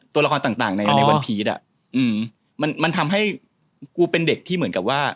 ตัวละครต่างในในวันพีชอ่ะอืมมันมันทำให้กูเป็นเด็กที่เหมือนกับว่า